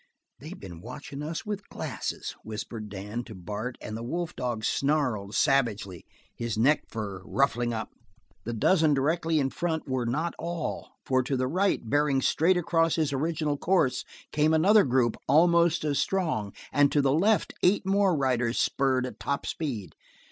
"They've been watchin' us with glasses!" whispered Dan to Bart, and the wolf dog snarled savagely, his neck fur ruffling up. The dozen directly in front were not all, for to the right, bearing straight across his original course, came another group almost as strong, and to the left eight more riders spurred at top speed.